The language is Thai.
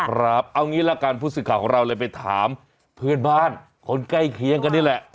ครับเอางี้ละกันผู้สื่อข่าวของเราเลยไปถามเพื่อนบ้านคนใกล้เคียงกันนี่แหละ